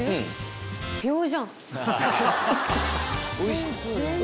おいしそう。